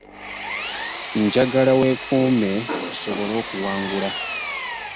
Njagala weekuume osobole okuwangula.